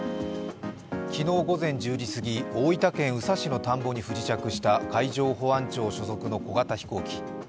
昨日午前１０時すぎ、大分県宇佐市の田んぼに不時着した海上保安庁所属の小型飛行機。